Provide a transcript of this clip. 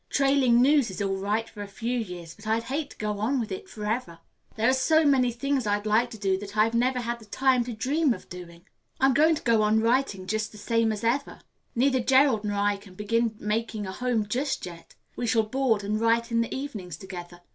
"Trailing news is all right for a few years, but I'd hate to go on with it forever. There are so many things I'd like to do that I've never had the time to dream of doing. I'm going to keep on writing, just the same as ever. Neither Gerald nor I care to begin making a home just yet. We shall board and write in the evenings together.